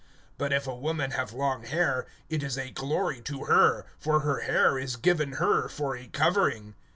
(15)But if a woman have long hair, it is a glory to her; for her hair is given her for a covering.